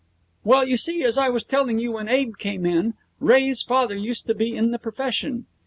'Well, you see, as I was telling you when Abe came in, Ray's father used to be in the profession.